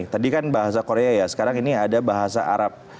tadi kan bahasa korea ya sekarang ini ada bahasa arab